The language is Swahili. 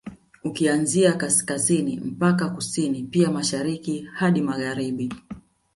Ukianzia Kaskazini mpaka Kusini pia Mashariki hadi Magharibi